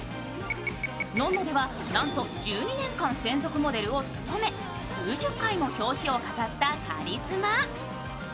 「ｎｏｎ・ｎｏ」では１２年間専属モデルを務め、数十回も表紙を飾ったカリスマ。